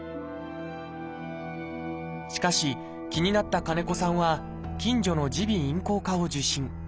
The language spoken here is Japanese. しかし気になった金子さんは近所の耳鼻咽喉科を受診。